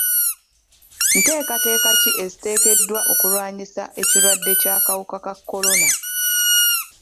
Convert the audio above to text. Nteekateeka ki eziteekeddwawo okulwanyisa ekirwadde ky'akawuka ka kolona?